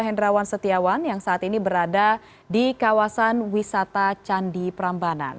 hendrawan setiawan yang saat ini berada di kawasan wisata candi prambanan